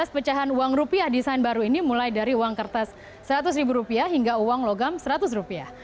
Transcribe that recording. lima belas pecahan uang rupiah desain baru ini mulai dari uang kertas seratus ribu rupiah hingga uang logam seratus rupiah